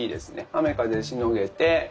雨風しのげてうん。